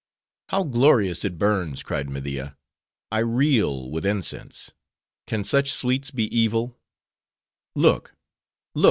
"How glorious it burns!" cried Media. I reel with incense:—can such sweets be evil?" "Look! look!"